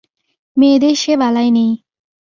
মেয়েদের সে বালাই নেই।